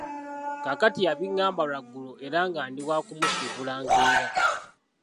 Kaakati yabingamba lwaggulo era nga ndi waakumusiibula nkeera.